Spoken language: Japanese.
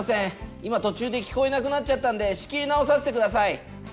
今とちゅうで聞こえなくなっちゃったんで仕切りなおさせてください。